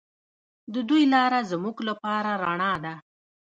د دوی لاره زموږ لپاره رڼا ده.